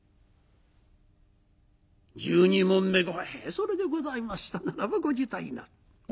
「それでございましたならばご辞退」。